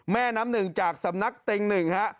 แม่น้ำหนึ่งจากสำนักเต็งหนึ่งฮะ